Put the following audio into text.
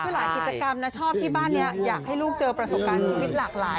คือหลายกิจกรรมนะชอบที่บ้านนี้อยากให้ลูกเจอประสบการณ์ชีวิตหลากหลาย